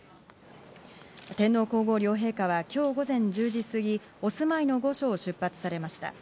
天皇皇后両陛下はきょう午前１０時過ぎ、お住まいの御所を出発されました。